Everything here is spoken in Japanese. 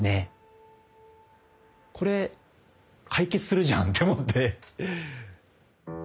これ解決するじゃんって思って。